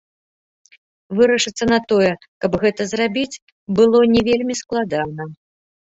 Вырашыцца на тое, каб гэта зрабіць, было не вельмі складана.